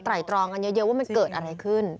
ตรองกันเยอะว่ามันเกิดอะไรขึ้น